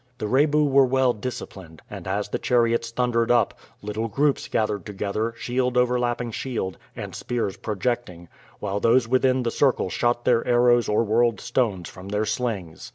The Rebu were well disciplined, and, as the chariots thundered up, little groups gathered together, shield overlapping shield, and spears projecting, while those within the circle shot their arrows or whirled stones from their slings.